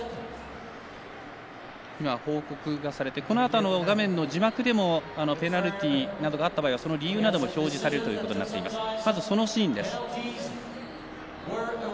今、報告がされてこのあと画面の字幕でもペナルティーなどがあった場合は理由なども表示されるということになっています。